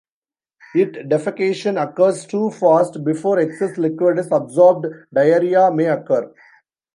If defecation occurs too fast, before excess liquid is absorbed, diarrhea may occur.